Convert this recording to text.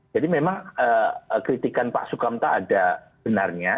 jadi memang kritikan pak sukam tak ada benarnya